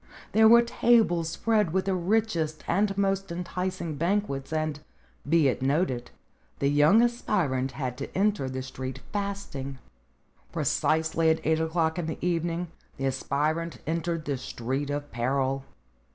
There were tables spread with the richest and most enticing banquets, and, be it noted, the young aspirant had to enter the street fasting. in Precisely at eight o'clock in the evening the aspirant entered the Street of Peril.